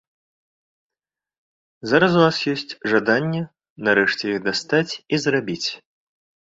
Зараз у нас ёсць жаданне нарэшце іх дастаць і зрабіць.